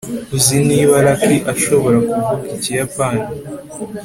uzi niba lucy ashobora kuvuga ikiyapani